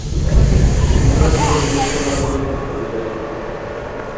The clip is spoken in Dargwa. Илар сари нушала клеткабира.